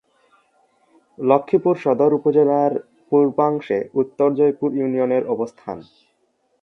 লক্ষ্মীপুর সদর উপজেলার পূর্বাংশে উত্তর জয়পুর ইউনিয়নের অবস্থান।